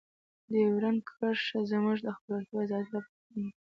ډیورنډ کرښه زموږ د خپلواکۍ او عزت لپاره خنډ دی.